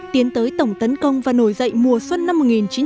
tiến tới tổng tấn công và nổi dậy mùa xuân năm một nghìn chín trăm bảy mươi năm